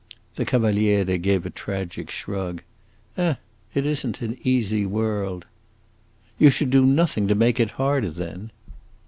The Cavaliere gave a tragic shrug. "Eh! it is n't an easy world." "You should do nothing to make it harder, then."